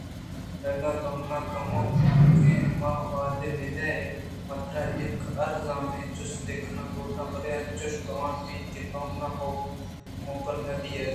اگاں تو من ءَ کموکیں موہ بہ دئے من ترا یک ارزانیں جستے کنگ لوٹاں بلئے انچوش گُمان بیت کہ تو من ءَ موکل نہ دئے